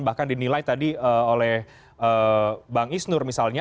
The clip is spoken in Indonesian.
bahkan dinilai tadi oleh bang isnur misalnya